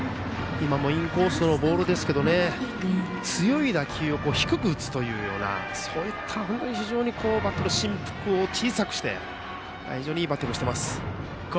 今もインコースのボールでしたけど強い打球を低く打つというようなそういった非常にバットの振幅を小さくしている、非常にいいバッティングをしています。